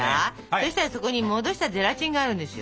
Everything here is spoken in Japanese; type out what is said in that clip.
そしたらそこに戻したゼラチンがあるんですよ。